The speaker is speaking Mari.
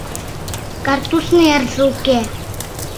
Картуз нерже уке.